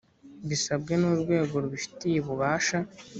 bisabwe n’urwego rubifitiye ububasha